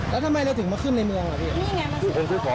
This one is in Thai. แล้วทำไมเราถึงมาขึ้นในเมืองเหรอ